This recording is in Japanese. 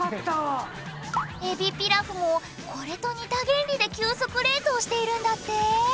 えびピラフもこれと似た原理で急速冷凍しているんだって！